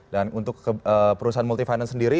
dan untuk perusahaan multi finance sendiri